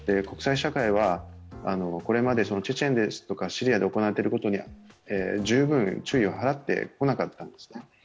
国際社会はこれまでチェチェンとかシリアで行われてきたことに十分注意を払ってこなかったんですね。